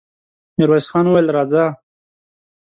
ميرويس خان وويل: راځه!